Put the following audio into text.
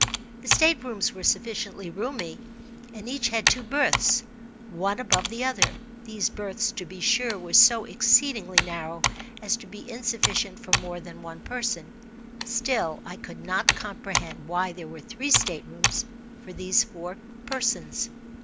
The state rooms were sufficiently roomy, and each had two berths, one above the other. These berths, to be sure, were so exceedingly narrow as to be insufficient for more than one person; still, I could not comprehend why there were three state rooms for these four persons.